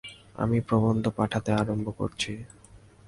আমি প্রবন্ধ পাঠাতে আরম্ভ করছি।